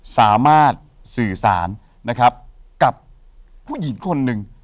สามารถสื่อสารนะครับกับผู้หญิงคนหนึ่ง